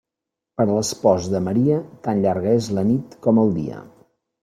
Per a l'espòs de Maria tan llarga és la nit com el dia.